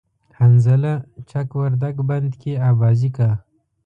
حنظله چک وردگ بند کی آبازی کا